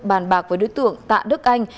bàn bạc với đối tượng tạ đức anh